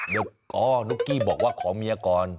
เดี๋ยวก็นุ๊กกี้บอกว่าขอเมียก่อน